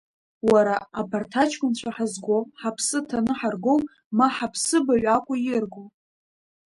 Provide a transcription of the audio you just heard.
Уара, абарҭ аҷкәынцәа ҳазго, ҳаԥсы ҭаны ҳаргоу, ма ҳаԥсыбаҩ акәу ирго?